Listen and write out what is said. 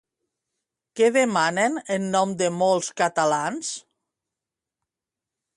Què demanen en nom de molts catalans?